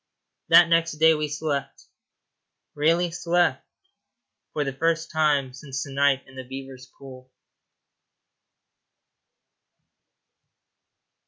That next day we slept really slept for the first time since the night in the beavers' pool.